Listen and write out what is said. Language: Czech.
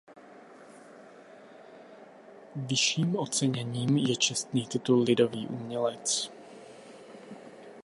Vyšším oceněním je čestný titul Lidový umělec.